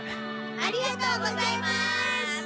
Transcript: ありがとうございます！